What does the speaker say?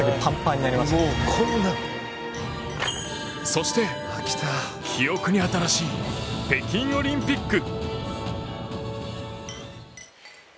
そして、記憶に新しい北京オリンピック。